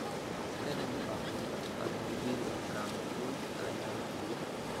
Steven Bauer appare nel video del brano "Would I Lie to You?